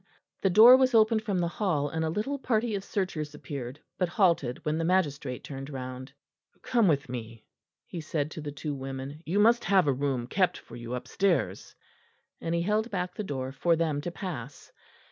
The door was opened from the hall, and a little party of searchers appeared, but halted when the magistrate turned round. "Come with me," he said to the two women, "you must have a room kept for you upstairs," and he held back the door for them to pass.